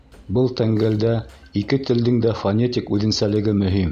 Был тәңгәлдә ике телдең дә фонетик үҙенсәлеге мөһим.